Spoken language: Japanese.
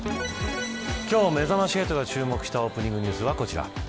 今日めざまし８が注目したオープニングニュースはこちら。